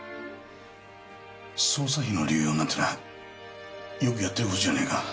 捜査費の流用なんてのはよくやってる事じゃねえか。